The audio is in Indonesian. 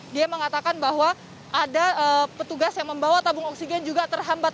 dia mengatakan bahwa ada petugas yang membawa tabung oksigen juga terhambat